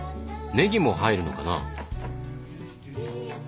ねぎも入るのかな？